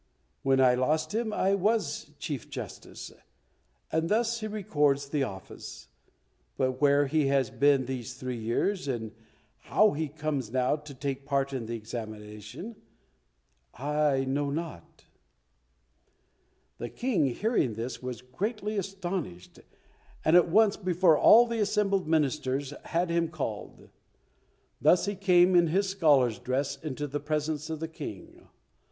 When I lost him I was Chief Justice, and thus he records the office; but where he has been for these three years, and how he comes now to take part in the examination, I know not." The King, hearing this, was greatly astonished, and at once before all the assembled ministers had him called. Thus he came in his scholar's dress into the presence of the King.